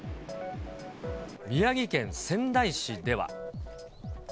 宮城県仙台市では。